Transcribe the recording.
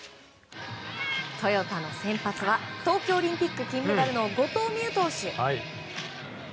トヨタの先発は東京オリンピック金メダルの後藤希友投手。